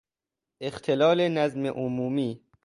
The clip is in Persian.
اختلال نظم عمومی